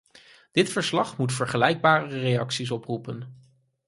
Dit verslag moet vergelijkbare reacties oproepen.